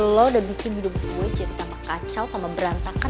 lo udah bikin hidup gue cerita sama kacau sama berantakan